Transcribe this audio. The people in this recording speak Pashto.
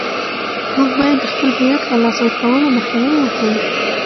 موږ باید د خپل هویت له لاسه ورکولو مخنیوی وکړو.